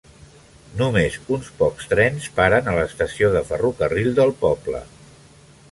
Només uns pocs trens paren a l'estació de ferrocarril del poble.